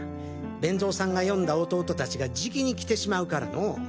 勉造さんが呼んだ弟達がじきに来てしまうからのォ。